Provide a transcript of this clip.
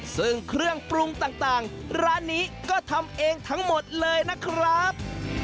ซึ่งเครื่องปรุงต่างร้านนี้ก็ทำเองทั้งหมดเลยนะครับ